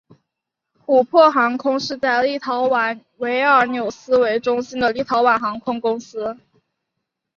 琥珀航空是在立陶宛维尔纽斯为中心的立陶宛航空公司。